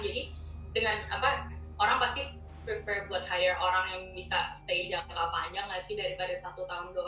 jadi orang pasti prefer buat hire orang yang bisa stay jangka panjang nggak sih daripada satu tahun doang